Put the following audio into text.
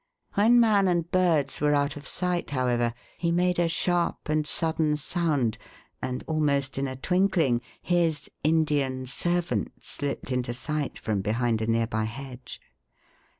When man and birds were out of sight, however, he made a sharp and sudden sound, and almost in a twinkling his "Indian servant" slipped into sight from behind a nearby hedge.